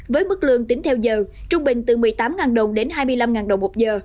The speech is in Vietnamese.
với mức lương tính theo giờ trung bình từ một mươi tám đồng đến hai mươi năm đồng một giờ